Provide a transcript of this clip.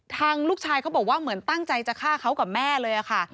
ทางลูกชายเขาบอกว่าเหมือนตั้งใจจะฆ่าเขากับแม่เลยค่ะ